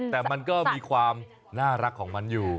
แต่มันก็มีความน่ารักของมันอยู่